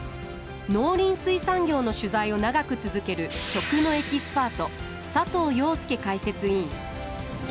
農林水産業の取材を長く続ける食のエキスパート佐藤庸介解説委員。